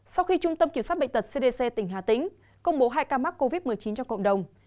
sau khi trung tâm kiểm soát bệnh tật cdc tỉnh hà tĩnh công bố hai ca mắc covid một mươi chín trong cộng đồng